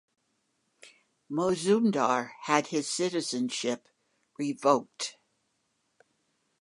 Mozumdar, had his citizenship revoked.